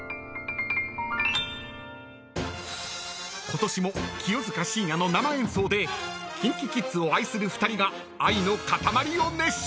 ［ことしも清塚信也の生演奏でＫｉｎＫｉＫｉｄｓを愛する２人が］